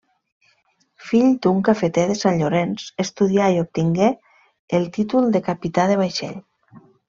Fill d'un cafeter de Sant Llorenç, estudià i obtingué el títol de capità de vaixell.